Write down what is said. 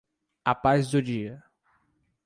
A paz do dia